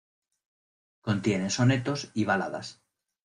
Contiene sonetos y baladas.